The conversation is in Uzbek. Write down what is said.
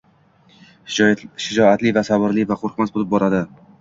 Shijoatli va sabrli va qo’rqmas bo’lib boradi.